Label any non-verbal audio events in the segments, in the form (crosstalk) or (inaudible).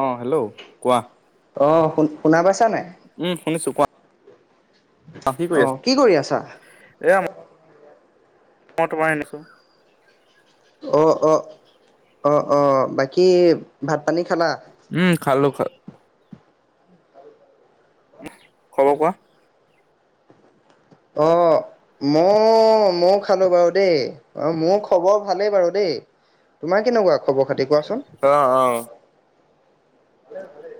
অ hello কোৱা অঁ শু শুনা পাইছা নাই উম শুনিছো কোৱা অ কি কৰি আছ এ আমাৰ মই তোমাৰ আনিছোঁ অ অ অ অ বাকী ভাত পানী খালা উম খালো খা উ খবৰ কোৱা অ ম মইয়ো খালো বাৰু দেই অ মোৰ খবৰ ভালেই বাৰু দেই তোমাৰ কেনেকুৱা খবৰ খাতি কোৱাচোন অ অ ভালেই ভালেই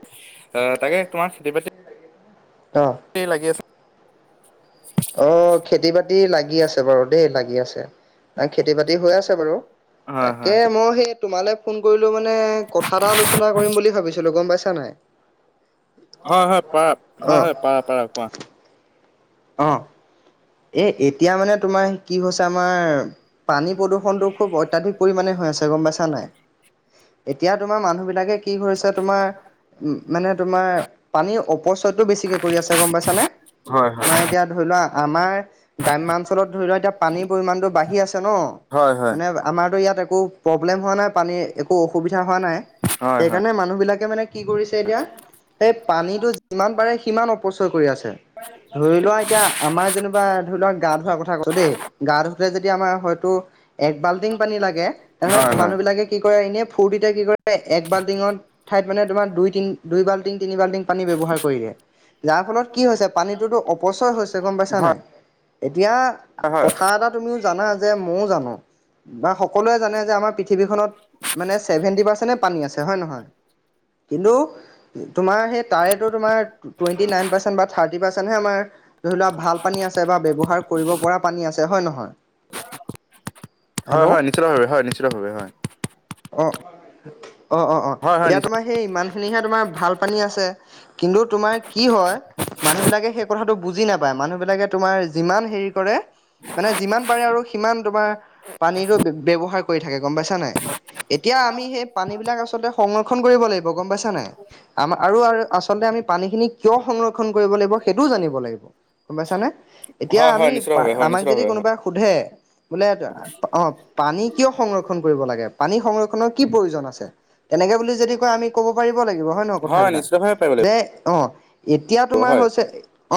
অ তাকে তোমাৰ খেতি বাতি অ লাগি আছে অ খেতি বাতি লাগি আছে বাৰু দেই লাগি আছে খেতি বাতি হৈ আছে বাৰু হয় তাকে হয়। মই সেই তোমালে। ফোন কৰিলো মানে কথা এটা আলোচনা কৰিম বুলি ভাবিছিলো গম পাইছা নাই আ তা পৰা কোৱা অ এ' এতিয়া মানে তোমাৰ কি হৈছে আমাৰ- পানী প্ৰদূৰণটো খুব অত্যাধিক পৰিমাণে হৈ আছে গম পাইছা নাই? এতিয়া তোমাৰ মানুহ বিলাকে কি কৰিছে তোমাৰ- উম' মানে তোমাৰ পানীৰ অপচয়টো বেছিকে কৰি আছে গম পাইছানে। মানে হয়-হয়। এতিয়া ধৰি লোৱা, আমাৰ গ্ৰাম্যাঞ্চলত ধৰি লোৱা, এতিয়া পানীৰ পৰিমাণতটো বাঢ়ি আছে ন' হয় হয় মানে- আমাৰতো ইয়াত একো প্ৰব্লেম হোৱা নাই, পানী একো অসুবিধা হোৱা নাই, হয় হয় সেইকাৰণে মানুহবিলাকে মানে কি কৰিছে এতিয়া এই পানীটো যিমান পাৰে সিমান অপচয় কৰি আছে। ধৰি লোৱা, এতিয়া আমাৰ যেনিবা ধৰি লোৱা গা ধোৱাৰ কথা কলো দেই। গা ধুওতে যদি আমাৰ হয়তো এক বাল্টিং পানী লাগে, হয় হয় তেনেহ'লে মানুহবিলাকে- কি কৰে এনেই ফুৰ্টিতে কি কৰে এক বাল্টিঙত ঠাইত মানে তোমাৰ দুই, তিনি, দুই বাল্টিং, তিনি বাল্টিং- পানী ব্যৱহাৰ কৰিলে। যাৰ ফলত কি হৈছে পানীটো অপচয় হৈছে গম পাইছা হয়। নাই। এতিয়া হয় হয় কথা এটা তুমিও জানা যে মইয়ো জানো বা সকলোৱে জানে যে আমাৰ- পৃথিৱীখনত মানে ছেভেন্টি পাৰ্চেণ্টে পানী আছে হয়, নহয় কিন্তু- তোমাৰ সেই তাৰেটো তোমাৰ টুৱেণ্টি নাইন পাৰ্চেণ্ট বা থাৰ্টি পাৰ্চেণ্টহে আমাৰ ধৰি লোৱা ভাল- কে বা ব্যৱহাৰ কৰিব পৰা পানী আছে হয় নহয়। হেল্ল' হয়-হয়, নিশ্চিতভাৱে হয়, নিশ্চিতভাৱে হয়। অঁ', -অঁ-অঁ-অঁ', হয় হয় -এতিয়া নিশ্চ তোমাৰ সেই ইমান খিনিহে তোমাৰ ভাল পানী আছে। কিন্তু তোমাৰ কি হয় মানুহবিলাকে সেই কথাটো বুজি নাপায় মানুহবিলাকে - তোমাৰ যিমান হেৰি কৰে মানে যিমান পাৰে আৰু - কিমান তোমাৰ পানীৰো ব্যয়ৱহাৰ কৰি থাকে গম পাইছা নাই। এতিয়া আমি সেই পানীবিলাক আচলতে - সংৰক্ষণ কৰিব লাগিব গম পাইছা নাই, আৰু আচলতে আমি পানী খিনি কিয় সংৰক্ষণ - কৰিব লাগিব সেইটোও জানিব লাগিব, গম পাইছানে। এতিয়া হয় হয় আমি নিশ্চিতভাৱে হয় আমাক যদি নিশ্চিতভাৱে হয় কোনোবাই সোধে বোলে অঁহ', - পানী কিয় সংৰক্ষণ কৰিব লাগে পানী সংৰক্ষণৰ কি প্ৰয়োজন আছে? এনেকে বুলি যদি কয় আমি ক'ব পাৰিব লাগিব। হয় নহয় কথাবিলাক। নিশ্চিতভাৱে পাৰিব যে অঁহ', -এতিয়া লাগিব তোমাৰ হয়।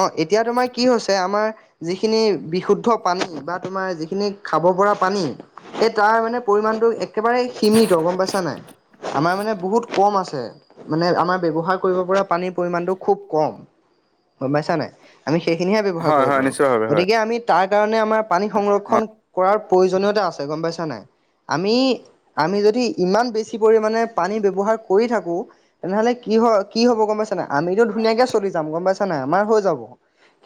অঁ' এতিয়া তোমাৰ কি হৈছে - যে আমাৰ যিখিনি বিশুদ্ধ পানী বা তোমাৰ যিখিনি খাব পৰা পানী - এই তাৰ মানে পৰিমাণটো একেবাৰে সীমিত গম পাইছা নাই। আমাৰ মানে বহুত কম আছে, মানে আমাৰ - ব্যবহাৰ কৰিব পৰা পানীৰ পৰিমাণটো খুব কম গম পাইছা নে নাই, আমি সেইখিনি হে ব্যৱহাৰ- হয় কৰিব হয় পাৰো। নিশ্চিতভাৱে হয় গতিকে আমি তাৰ কাৰণে আমাৰ পানী সংৰক্ষণ- হয় কৰাৰ প্ৰয়োজনীয়তা আছে গম পাইছা নাই। আমি-আমি যদি ইমান বেছি- কি পৰিমাণে পানী ব্যৱহাৰ কৰি থাকো তেনেহ'লে- কি হয়, কি হ'ব গম পাইছা নাই, আমিতো ধুনীয়াকে চলি যাম গম পাইছা নাই, আমাৰ হৈ যাব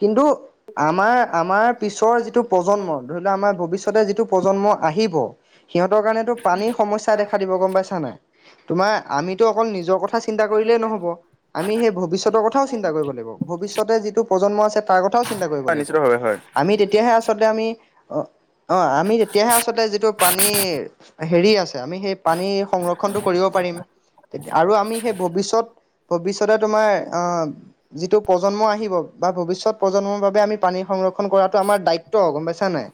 কিন্তু - আমাৰ-আমাৰ পিছৰ যিটো প্ৰজন্ম, ধৰি লোৱা আমাৰ ভৱিষ্যতে যি - টো প্ৰজন্ম আহিব, সিহঁতৰ কাৰণেতো পানীৰ সমস্যা দেখা দিব গম পাইছা নে নাই। তোমাৰ - আমিতো অকল নিজৰ কথা চিন্তা কৰিলেই নহ'ব। আমি সেই ভৱিষ্যতৰ কথাও চিন্তা কৰিব লাগিব, ভৱিষ্যতে যিটো প্ৰজন্ম আছে তাৰ কথাও চিন্তা কৰিব লাগিব। নিশ্চিতভাৱে হয় আমি তেতিয়া হে আচলতে আমি অঁ' আমি তেতিয়া হে আ - চলতে যিটো পানী হেৰি আছে আমি সেই পানী সংৰক্ষণটো কৰিব পাৰিম। এতিয়া আৰু আমি সেই ভৱিষ্যত - ভৱিষ্যতে তোমাৰ আঁহ', - যিটো প্ৰজন্ম আহিব বা ভৱিষ্যত প্ৰজন্ম বাবে আমি পানী সংৰক্ষণ কৰাতটো আমাৰ দায়িত্ব গম পাইছা নাই।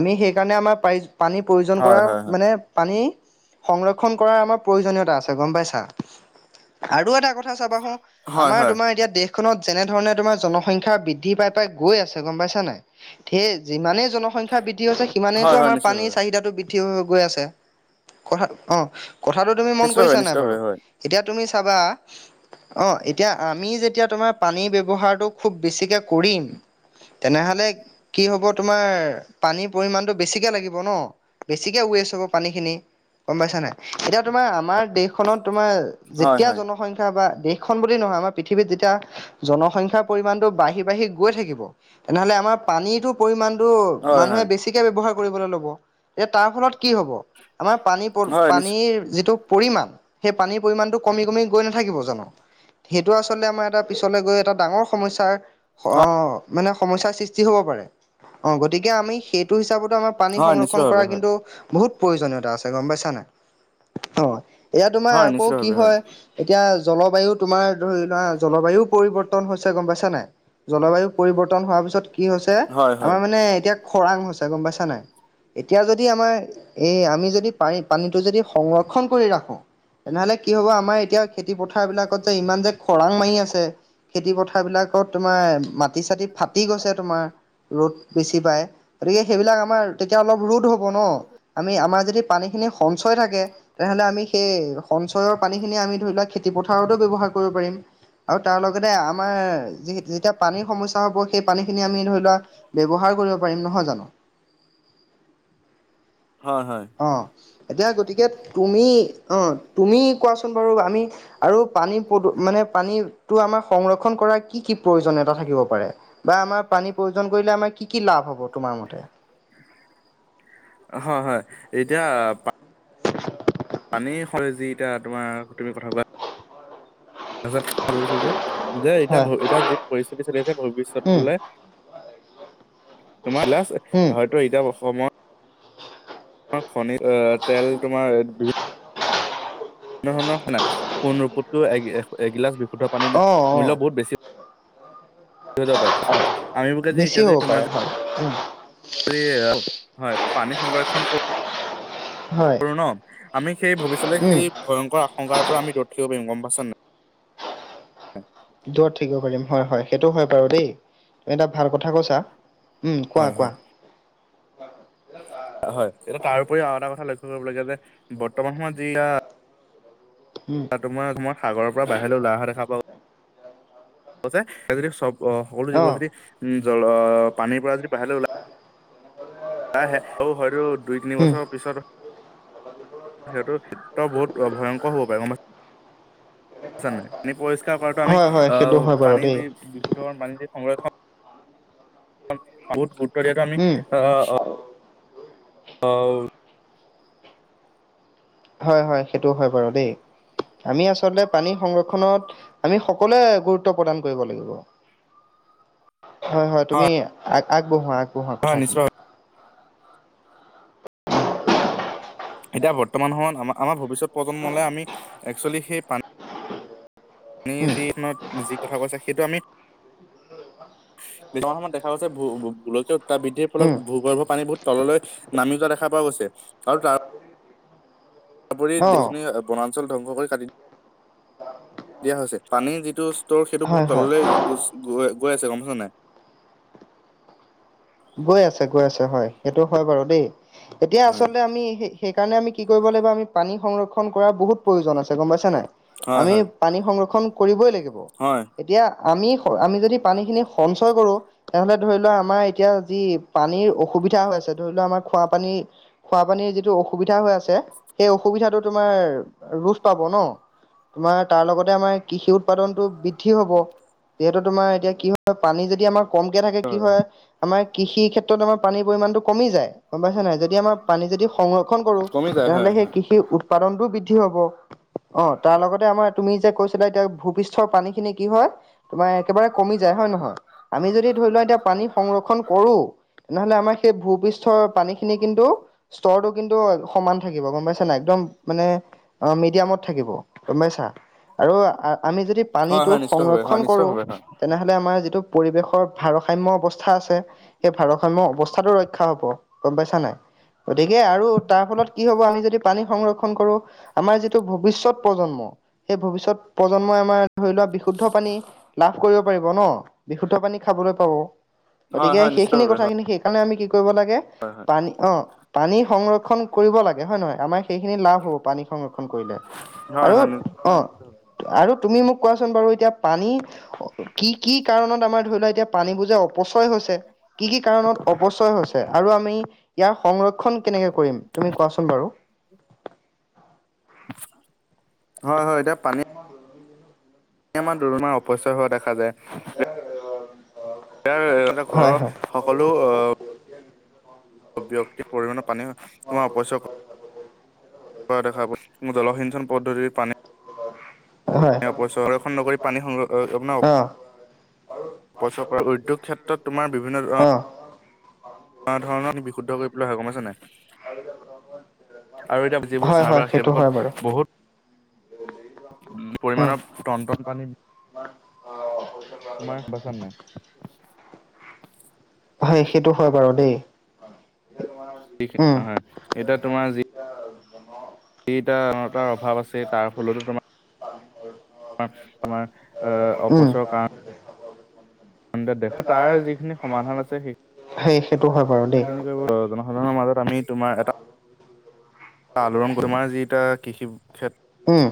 আমি সেইকাৰণে আমাৰ পায় পানীৰ প্ৰয়োজন হয় কৰা হয় হয় মানে পানী সংৰক্ষণ কৰাৰ আমাৰ প্ৰয়োজনীয়তা আছে গম পাইছা? আৰু এটা কথা চাবা আহো হয় হয় আমাৰ হয়। তোমাৰ এতিয়া দেশখনত যেনেধৰণে তোমাৰ জনসংখ্যা বৃদ্ধি পাই তাই গৈ আছে গম পাইছা নাই সেই যিমানেই জন সংখ্যা বৃদ্ধি হৈছে সিমানেই হয় এইটো হয় আমাৰ নিশ্চিতভাৱে পানীৰ চাহিদা টো বৃদ্ধি হৈ গৈ আছে কথা অঁ কথাটো তুমি মন নিশ্চিতভাৱে কৰিছা নাই নিশ্চিতভাৱে বাৰু হয় এতিয়া তুমি চাবা অঁ এতিয়া আমি যেতিয়া তোমাৰ পানীৰ ব্যৱহাৰটো খুব বেছিকৈ কৰিম। তেনে হ'লে কি হ'ব তোমাৰ পানীৰ পৰিমাণটো বেছিকে লাগিব ন। বেছিকে ৱেষ্ট হ'ব পানী খিনি গম পাইছা নাই এতিয়া তোমাৰ আমাৰ দেশ দেশখনত তোমাৰ হয় যেতিয়া হয়। জনসংখ্যা বা দেশখন বুলি নহয় আমাৰ পৃথিৱীত যেতিয়া জনসংখ্যাৰ পৰিমাণতটো বাঢ়ি বাঢ়ি তেনে হ'লে আমাৰ পানীটো পৰিমণটো হয় মানুহে হয় বেছিকে ব্যৱহাৰ কৰিবলে লব। এতিয়া তাৰ ফলত কি হ'ব আমাৰ পানী হয় নিশ্চ পানীৰ যিটো পৰিমাণ সেই পানীৰ পৰিমাণটো কমি কমি গৈ নাথাকিব জানোঁ সেইটো আচলতেই আমাৰ এটা পিছলৈ গৈ এটা ডাঙৰ সমস্যাৰ হয় অঁ মানে সমস্যাৰ সৃষ্টি হ'ব পাৰে অঁ গতিকে আমি সেইটো হিচাপত আমাৰ পানী হয় সংৰক্ষণ কৰা নিশ্চিতভাৱে হয় কিন্তু বহুত প্ৰয়োজনীয়তা আছে গম পাইছা নাই অ এয়া তোমাৰ হয় আকৌ কি নিশ্চিতভাৱে হয় এতিয়া জলবায়ু তোমাৰ ধৰি লোৱা জলবায়ু পৰিৱৰ্তন হৈছে গম পাইছা নাই? জলবায়ু পৰিৱৰ্তন হোৱাৰ পিছত কি হৈছে হয় আমাৰ হয় মানে এতিয়া খৰাং হৈছে গম পাইছা নাই এতিয়া যদি আমাৰ এই আমি যদি পানী পানীটো যদি সংৰক্ষণ কৰি ৰাখোঁ তেনে হ'লে কি হ'ব আমাৰ এতিয়া খেতি পথাৰ বিলাকত যে ইমান যে খৰাং মাৰি আছে খেতি পথাৰ বিলাকত তোমাৰ মাটি চাটি ফাটি গৈছে তোমাৰ। ৰ'দ বেছি পায় গতিকে সেইবিলাক আমাৰ তেতিয়া অলপ ৰোদ হ'ব ন আমি আমাৰ যদি পানীখিনি সঞ্চয় থাকে। তেনেহলে আমি সেই সঞ্চয়ৰ পানীখিনি আমি ধৰি লোৱাক খেতি পথাৰতো ব্যৱহাৰ কৰিব পাৰিম। আৰু তাৰ লগতে আমাৰ যি যেতিয়া পানীৰ সমস্যা হ'ব সেই পানী খিনি আমি ধৰি লোৱা ব্যৱহাৰ কৰিব পাৰিম নহয় জানো। হয় হয়। অঁ এতিয়া গতিকে তুমি অঁ তুমি কোৱাচোন বাৰু আমি আৰু পানী প মানে পানীটো আমাৰ সংৰক্ষণ কৰা কি কি প্ৰয়োজনীয়তা থাকিব পাৰে বা আমাৰ পানীৰ প্ৰয়োজন কৰিলে আমাৰ কি কি লাভ হ'ব তোমাৰ মতে? হয় হয় এতিয়া পা পানী হয় যি এতিয়া তোমাৰ তুমি কথা কোৱাত তাৰপিছত ক'ব বিচাৰিছো। যে এতিয়া হয়। এতিয়া যি পৰিস্থিতি চলি আছে উম, ভৱিষ্যতলে তোমাৰ লাষ্ট উম, হয়তো এতিয়া অসমত অঁ' খনিজ এ তেল তোমাৰ বিভিন্ন বিভিন্ন ধৰণৰ সোণ ৰূপত কৈও এগিলাছ বিশুদ্ধ পানীৰ অঁ, অঁ, মূল্য বহুত বেছি বেছি হ'ব পাৰে হয় উম। (unintelligible) যদি হয় পানী সংৰক্ষণ হয়, কৰোঁ ন আমি সেই ভৱিষ্যলৈ উম, সেই ভয়ংকৰ আশংকাৰ পৰা আমি দূৰ থাকিব পাৰিম গম পাইছা নাই? দূৰত থাকিব পাৰিম হয় হয় সেইটো হয় বাৰু দেই তুমি এটা ভাল কথা কৈছা। উম কোৱা হয় হয় কোৱা। হয় এতিয়া তাৰ উপৰিও আৰু এটা কথা লক্ষ্য কৰিবলাগে যে বৰ্তমান সময়ত যিয়া উম। তোমাক মই সাগৰ পৰা বাহিৰলৈ ওলাই অহা দেখা পাওঁ। যদি চব অ সকলো জীৱ, অ', যদি উম জল পানীৰ পৰা যদি বাহ ওলা হয়তো দুই তিনি উম। বছৰৰ পিছত সিহতো বহুত ভয়ংকৰ হব পাৰে। নাই পানী, পৰিষ্কাৰ কৰাতো আমি হয় হয় সেইটো আহ হয় বাৰু পানী দেই, যি বিশু ধৰণৰ পানী যি সংৰক্ষণ বহুত গুৰুত্ব দিয়াতটো আমি উম, অ অ হয় হয় সেইটোও হয় বাৰু দেই আমি আচলতে পানী সংৰক্ষণত আমি সকলোৱে গুৰুত্ব প্ৰদান কৰিব লাগিব। হয় হয় তুমি আ আগবঢ়োৱা আগবঢ়োৱা হয় কথাখিনি। নিশ্চয় হয়। এতিয়া বৰ্তমান সময়ত আমাৰ আমাৰ ভৱিষ্যত প্ৰজন্মলৈ আমি এক্চুৱেলি সেই পানী, সেই উম, যিতি কথা কৈছে সেইটো আমি বিছমান সময়ত দেখা গৈছে ভোলকীয় তাৰ বৃদ্ধিৰ ফলত উম, ভূগৰ্ভ পানী বহুত তললৈ নামি যোৱা দেখা পোৱা গৈছে আৰু তাৰ (inaudible) তৰি অ', দজনী বনাঞ্চল ধবংস কৰি কাটি দিয়া হৈছে পানীৰ যিটো ষ্টৰ সেইটো হয় বহুত হয়। তললৈ গ গ গৈ আছে গম পাইছা নাই। গৈ আছে গৈ আছে হয় সেইটো হয় বাৰু দেই এতিয়া হয় আচলতে আমি সি সেইকাৰণে আমি কি কৰিব লাগিব আমি পানী সংৰক্ষণ সংৰক্ষণ কৰাৰ বহুত প্ৰয়োজন আছে গম পাইছে নাই হয় আমি হয় পানী সংৰক্ষণ কৰিবই লাগিব। হয়। এতিয়া আমি আমি যদি পানী খিনি সঞ্চয় কৰো তেনেহ'লে ধৰি লোৱা আমাৰ এতিয়া। যি পানীৰ অসুবিধা হৈ আছে ধৰি লওক আমাৰ খোৱাাপানীৰ খোৱাপানীৰ যিটো অসুবিধা হৈ আছে। সেই অসুবিধাটো তোমাৰ ৰোজ পাব ন তোমাৰ তাৰ লগত আমাৰ কৃষি উৎপাদনটো বৃদ্ধি হব যিহেতু তোমাৰ এতিয়া কি হয় পানী যদি আমাৰ কমকে থাকে কি হয় আমাৰ কৃষি ক্ষেত্ৰত আমাৰ পানীৰ পৰিমামানটো কমি যায়। গম পাইছে নাই যদি আমাৰ পানী যদি সংৰক্ষণ কৰো কমি যায় তেনেহ'লে হয় সেই হয় কৃষি, উৎপাদনতটো বৃদ্ধি হব অ তাৰ লগতে আমাৰ তুমি যে কৈছ। তেয়া এতিয়া ভূপৃষ্ঠৰ পানীখিনি কি হয়। তোমাৰ একেবাৰে কমি যায় হয় নহয় আমি যদি ধৰি লোৱা এতিয়া পানী সংৰক্ষণ কৰো তেনেহলে আমাৰ সেই ভূপৃষ্ঠৰ, পানী, খিনি কিন্তু স্তৰটো কিন্তু সমান থাকিব গম পাইছ না একদম মানে অ মিডিয়ামত থাকিব গম পাইছা আৰু আমি যদি। হয় পানীতটো হয় নিশ্চিত ভাৱে সংৰক্ষণ, হয় নিশ্চিত কৰো ভাৱে হয় তেনেহলে আমাৰ যিটো। পৰিৱেশৰ ভাৰসাম্য অৱস্থা আছে সেই ভাৰসাম্য অৱস্থাটো ৰক্ষা ৰা হ'ব গম পাইছা নাই গতিকে আৰু তাৰ ফলত কি হ'ব আমি যদি পানী সংৰক্ষণ কৰো। আমাৰ যিটো ভৱিষ্যত প্ৰজন্ম সেই ভৱিষ্যত প্ৰজন্মই আমাৰ ধৰি লোৱা বিশুদ্ধ পানী লাভ কৰিব পাৰিব ন বিশুদ্ধ পানী খাবলৈ পাব। হয় হয় নিশ্চয়। সিনি কথাখিনি সেইকাৰণে আমি কি কৰিব লাগে। হয় হয় পানী অ পানী, সংৰক্ষণ কৰিব লাগে হয়ে নহয় আমাৰ সেইখিনি লাভ হ'ব পানী সংৰক্ষণ কৰিলে হয় আৰু হয় অ নিশ্চিতভাৱে। আৰু তুমি মোক কোৱাচোন বাৰু এতিয়া পানী কি কি কাৰণত -আমাৰ ধৰি লোৱা এতিয়া পানী বুজে অপচয় হৈছে কি কি কাৰণত অপচয় হৈছে আৰু আমি ইয়াৰ সংৰক্ষ- খন কেনেকৈ কৰিম তুমি কোৱাচোন বাৰু। হয় হয় এতিয়া পানী এ আমাৰ দুৰণাৰ অপচয় হোৱা দেখা যায়। এ অ (inaudible) ইয়াৰ এহতে ঘৰৰ সকলো অ ব্যক্তি পৰিণৰ পানী তোমাৰ অপচয়ক (inaudible) দেখা ম জলসিঞ্চন পদ্ধতিৰ পানী হয় অ (unintelligible) উদ্যোগ ক্ষেত্ৰত তোমাৰ বিভিন্ন অ অ ধৰণৰ পানী বিশুদ্ধ কৰি পেলাই হয় গম পাইছনে নাই? স (inaudible) আৰু এতিয়া যিবোৰ চাৰবাৰ বাৰু সেইবোৰকত বহুত ওম উম পৰিমানৰ টন - টন পানী তোমাৰ বাচন নাই? হয় সেইটো হয় বাৰু দেই। উম (inaudible) হয় এতিয়া তোমাৰ যি কেইটাৰ অভাৱ আছে তাৰ ফলতো তোমা হয় হয় (inaudible) অ তোমাৰ অ অপচয় কাৰণ দেশ তাৰ যিখিনি সমাধান সেই সেইটো হয় বাৰু দে ই কৰিব, জনসাধাৰণৰ মাজত আমি তোমাৰ এটা আলোৰন কমাৰ যিটা কৃষি ক্ষেত উম।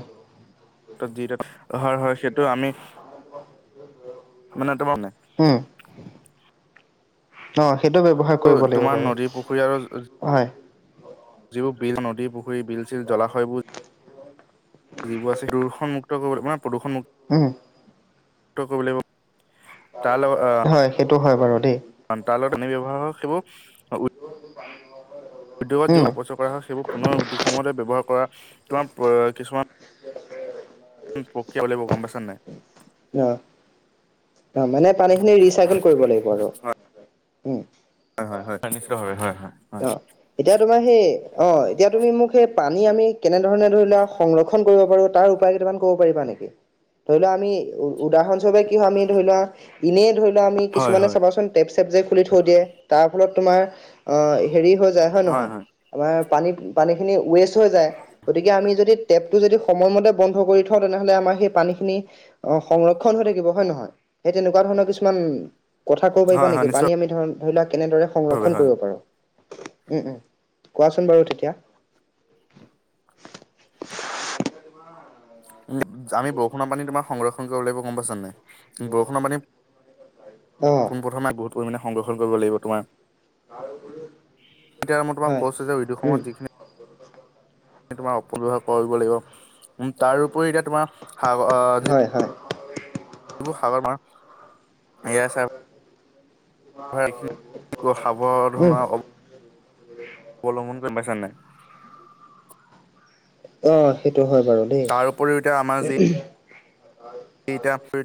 ট যিটাত ব্যবহাৰ হয় সেইটো আমি, মানে তোমাৰ নাই উম, অ সেইটো ব্যৱহাৰ ত কৰিব লাগিব তোমাৰ বাৰু নদী - পুখুৰী আৰু জো জো হয়। যিবোৰ বিল, নদী, পুখুৰী, বিল - চিল জলাশয়বোৰ যিবোৰ আছে সেইটো সম্মুক্ত কৰিব মানে প্ৰদূষণমুক উম। ত কৰিব লাগিব হয় সেইটো হয় বাৰু দেই। অন তালত এনে ব্যৱহাৰ হওক সেইবোৰ ৰ পান (inaudible) উদ্যোগত যিবোৰ অপচয় কৰা হয় সেইবোৰ পুনৰ উদ্যোগসমুহতে ব্যৱহাৰ কৰা তোমাৰ প্ৰ কিছুমান ওম প্ৰক্ৰিয়া উলিয়াব গম পাইছা নাই? অ, অ মানে পানীখিনি ৰিচাইকেল হয় কৰিব লাগিব আৰু উম। অ হয় হয় হয় (inaudible) কানেক্টৰ হয় হয়। অ এতিয়া তোমাৰ সেই, অ এতিয়া হয়। তুমি মোক সেই পানী আমি কেনেধৰণে ধৰি লোৱা সংৰ ক্ষণ কৰিব পাৰো তাৰ উপায় কেইটামান ক'ব পাৰিবা নেকি? ধৰি লোৱা আমি উ উদাহৰণস্বৰূপে কি হয় আমি ধৰি লোৱা ইনে ধৰি লোৱা আমি হয় কিছুমানে হয় চাবাচোন টেপ - চেপ যে খুলি থৈ দিয়ে তাৰ ফলত তোমাৰ অ হেৰি হৈ যায় হয় নহয়? আমাৰ পানী পানীখিনি ৱেষ্ট হৈ যায় গতিকে আমি যদি টেপটো যদি সময়মতে বন্ধ কৰি থওঁ তেনেহ'লে আমাৰ সেই পানীখিনি অ সংৰক্ষণ হৈ থাকিব হয় নহয়? সেই তেনেকুৱা ধৰণৰ কিছুমান কথা ক'ব পাৰিবা হয় হয় নেকি পানী আমি ধৰ ধৰি লোৱা কেনেদৰে নিশ্চিতভাৱে সংৰক্ষণ হয়। কৰিব পাৰো? উম উম কোৱাচোন বাৰু তেতিয়া উম' আমি বৰষুণৰ পানী তোমাৰ সংৰক্ষণ কৰিব লাগিব গম পাইছানে নাই? বৰষুণৰ পানী অ পোনপ্ৰথমে বহুত পৰিমাণে সংৰক্ষণ কৰিব লাগিব তোমাৰ- এতিয়া মই তোমাক হয় কৈছো যে উদ্যোগ উম সময়ত যিখিনি- (unintelligible) এ তোমাৰ অপব্যৱহাৰ কৰিব লাগিব। উম তাৰউপৰি এতিয়া তোমাৰ সা অ যি- হয় হয় এইবোৰ সাগৰ মাৰ এয়া চাওক- ঘৰিয়াল উম সাৱধনাৰ অৱলম্বন কৰিম পাইছা নাই। অ সেইটো হয় বাৰু। দেই তাৰ উপৰিও এতিয়া আমাৰ যি- এইটা ফিট-